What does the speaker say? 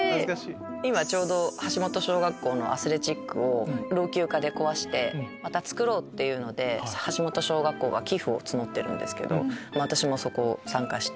今ちょうど橋本小学校のアスレチックを老朽化で壊してまた造ろうっていうので橋本小学校が寄付を募ってるんですけど私もそこ参加して。